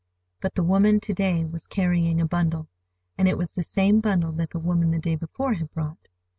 But the woman to day was carrying a bundle—and it was the same bundle that the woman the day before had brought.